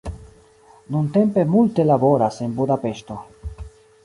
Nuntempe multe laboras en Budapeŝto.